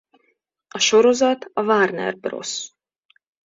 A sorozat a Warner Bros.